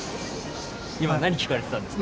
いま何聴かれてたんですか？